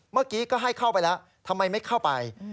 เมื่อกี้ก็ให้เข้าไปแล้วทำไมไม่เข้าไป